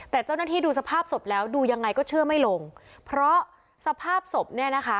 แต่เจ้าหน้าที่ดูสภาพศพแล้วดูยังไงก็เชื่อไม่ลงเพราะสภาพศพเนี่ยนะคะ